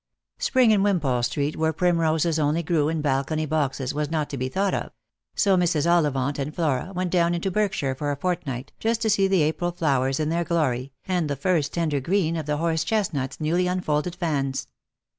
Spring in Wimpole street, where primroses only grew in balcony boxes, was not to be thought of; so Mrs. Ollivant and Flora went down into Berkshire for a fortnight, just to see the April flowers in their glory, and the first tender green of the horse chestnuts' newly unfolded fans.